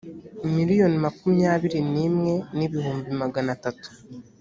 miliyoni makumyabiri n imwe n ibihumbi magana atatu